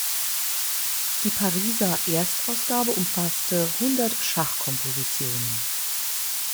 Die Pariser Erstausgabe umfasste hundert Schachkompositionen.